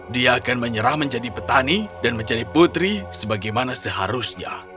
dia akan menyerah menjadi petani dan menjadi putri sebagaimana seharusnya